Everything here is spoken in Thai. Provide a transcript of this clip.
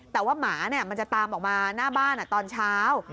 แต่ว่าหมามันจะตามออกมาหน้าบ้านตอนเช้า